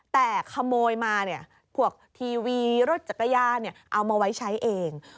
แต่ขโมยมาเนี่ยพวกทีวีรถจักรยานเอามาไว้ใช้เอง